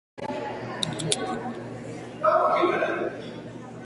Follaje brillante, ornamental.